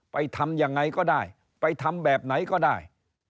ทำยังไงก็ได้ไปทำแบบไหนก็ได้